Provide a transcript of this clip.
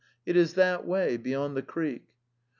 "Tt is that way, beyond the creek."